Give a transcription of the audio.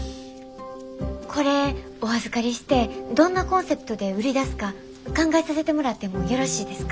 これお預かりしてどんなコンセプトで売り出すか考えさせてもらってもよろしいですか？